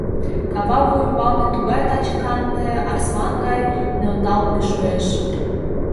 Кава вуй ӱмбалне тугай таче канде — арслан гай нӧлталтме шуэш.